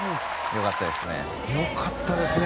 よかったですね。